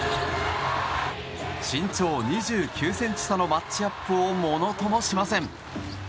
身長２９ｃｍ差のマッチアップをものともしません。